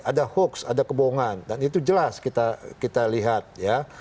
ada hoax ada kebohongan dan itu jelas kita lihat ya